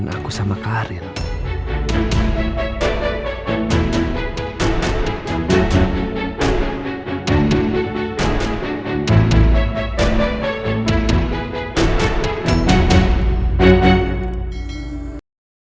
kamu tuh kecil lagi